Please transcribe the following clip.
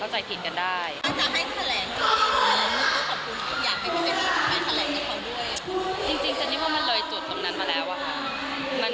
จริงเจนนี่ว่ามันเลยจุดตรงนั้นมาแล้วอะค่ะ